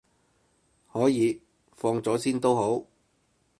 可以，放咗先都好